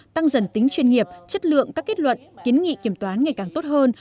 tăng dần tính chuyên nghiệp chất lượng các kết luận kiến nghị kiểm toán ngày càng tốt hơn